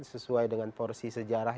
sesuai dengan porsi sejarah